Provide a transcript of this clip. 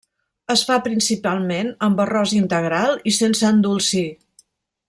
Es fa principalment amb arròs integral i sense endolcir.